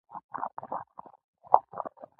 په دوه لوښو کې عین بفر واچوئ او نښه یې کړئ.